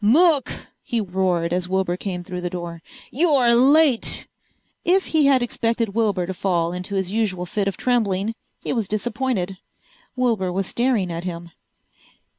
"Mook!" he roared, as Wilbur came through the door. "You're late!" If he had expected Wilbur to fall into his usual fit of trembling he was disappointed. Wilbur was staring at him.